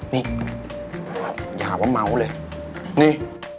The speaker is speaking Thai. นี่อย่าหาว่าเมาส์เลยนี่